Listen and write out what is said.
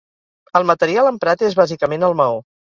El material emprat és bàsicament el maó.